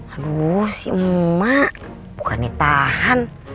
aduh si emak bukan ditahan